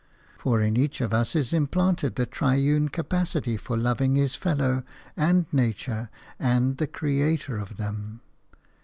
For in each of us is implanted the triune capacity for loving his fellow and nature and the Creator of them.